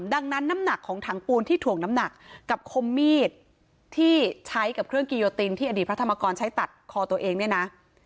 ดังนั้นน้ำหนักของถังปูนที่ถ่วงน้ำหนักกับคมมีดที่ใช้กับเครื่องกิโยตินที่อดีตพระธรรมกรใช้ตัดคอตัวเองเนี่ยนะ